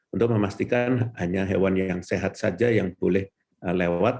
untuk memastikan hanya hewan yang sehat saja yang boleh lewat